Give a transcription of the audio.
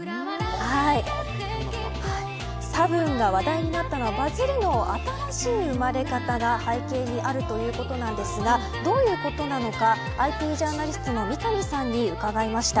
たぶんが話題になったのはバズりの新しい生まれ方が背景にあるということですがどういうことなのかＩＴジャーナリストの三上さんに伺いました。